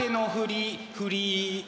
振り！